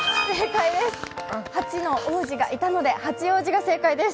８人の王子がいたので八王子です。